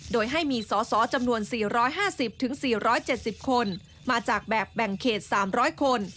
โดยให้มีสอสอจำนวน๔๕๐๔๗๐คนมาจากแบบแบ่งเขต๓๐๐คน